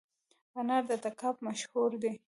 انار د تګاب مشهور دي